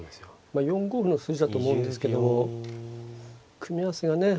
まあ４五歩の筋だと思うんですけど組み合わせがね。